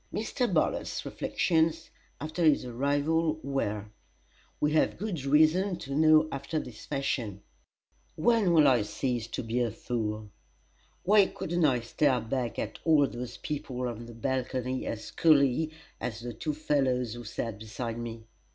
Mr. Bartlett's reflections, after his arrival, were we have good reason to know after this fashion: "When will I cease to be a fool? Why couldn't I stare back at all those people on the balcony as coolly as the two fellows who sat beside me?